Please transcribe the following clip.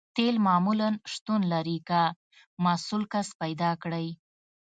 تیل معمولاً شتون لري که مسؤل کس پیدا کړئ